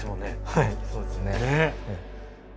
はいそうですね。